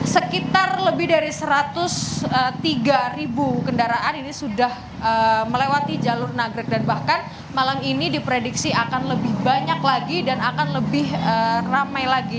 sekitar lebih dari satu ratus tiga kendaraan ini sudah melewati jalur nagrek dan bahkan malam ini diprediksi akan lebih banyak lagi dan akan lebih ramai lagi